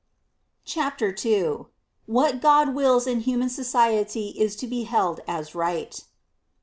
CHAPTER II ff^hat God wills in human society is to be held as right.